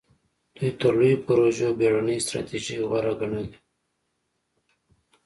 دوی تر لویو پروژو بېړنۍ ستراتیژۍ غوره ګڼلې.